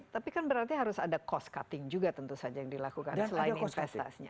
tapi kan berarti harus ada cost cutting juga tentu saja yang dilakukan selain investasinya